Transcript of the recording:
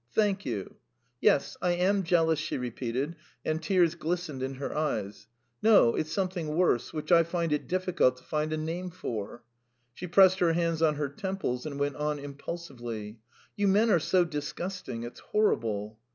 "Thank you." "Yes, I am jealous," she repeated, and tears glistened in her eyes. "No, it's something worse ... which I find it difficult to find a name for." She pressed her hands on her temples, and went on impulsively. "You men are so disgusting! It's horrible!"